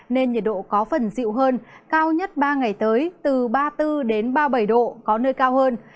nên nhiệt độ có phần dịu hơn cao nhất ba ngày tới từ ba mươi bốn ba mươi bảy độ có nơi cao hơn